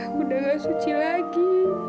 aku udah gak suci lagi